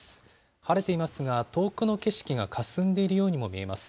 晴れていますが、遠くの景色がかすんでいるようにも見えます。